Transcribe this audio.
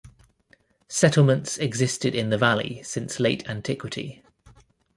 Settlements existed in the valley since Late Antiquity.